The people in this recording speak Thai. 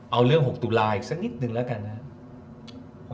เอาเรื่อง๖ตุลาอีกสักนิดนึงแล้วกันนะครับ